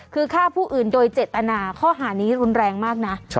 คือฆ่าผู้อื่นโดยเจตนาข้อหานี้รุนแรงมากนะ